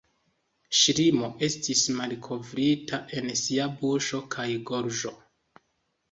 Ŝlimo estis malkovrita en sia buŝo kaj gorĝo.